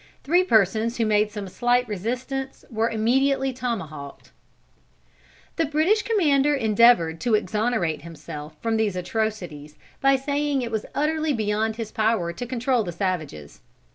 Three persons who made some slight resistance were immediately tomahawked. The British commander endeavored to exonerate himself from these atrocities by saying that it was utterly beyond his power to control the savages.